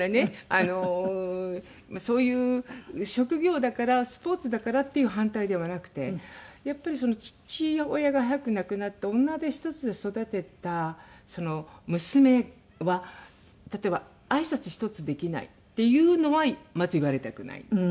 あのそういう職業だからスポーツだからっていう反対ではなくてやっぱり父親が早く亡くなって女手一つで育てた娘は例えば挨拶一つできないっていうのはまず言われたくないっていう。